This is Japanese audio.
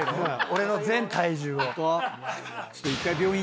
俺の全体重を。